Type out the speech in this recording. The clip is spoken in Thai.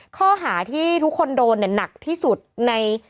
ข้อหาที่ทุกคนโดนเนี่ยหนักที่สุดใน